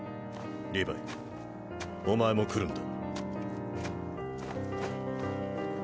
リヴァイお前も来るんだ。